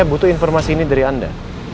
butuh informasi ini dari anda